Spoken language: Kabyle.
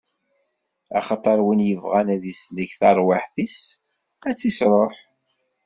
Axaṭer win yebɣan ad isellek taṛwiḥt-is ad tt-isṛuḥ.